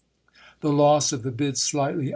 The loss of the bids slightly S!